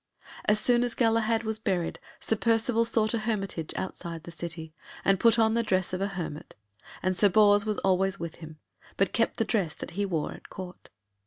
As soon as Galahad was buried, Sir Percivale sought a hermitage outside the city, and put on the dress of a hermit, and Sir Bors was always with him, but kept the dress that he wore at Court.